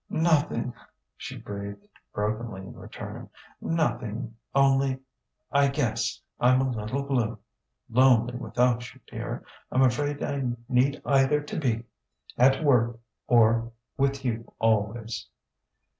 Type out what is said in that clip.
"Nothing," she breathed brokenly in return. "Nothing only I guess I'm a little blue lonely without you, dear. I'm afraid I need either to be at work or with you always."